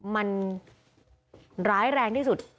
มันร้ายแรงที่สุด